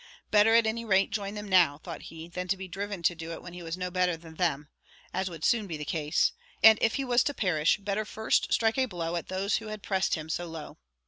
Better, at any rate, join them now, thought he, than be driven to do it when he was no better than them as would soon be the case; and, if he was to perish, better first strike a blow at those who had pressed him so low!